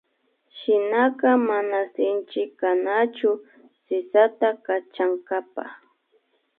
Shinaka mana sinchi kanachu sisata kachankapa